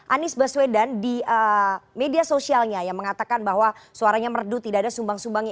anies baswedan di media sosialnya yang mengatakan bahwa suaranya merdu tidak ada sumbang sumbangnya